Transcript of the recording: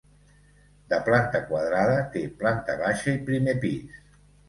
De planta quadrada té planta baixa i primer pis.